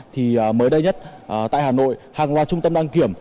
thì mới đây nhất tại hà nội hàng loạt trung tâm đăng kiểm